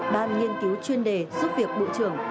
ban nghiên cứu chuyên đề giúp việc bộ trưởng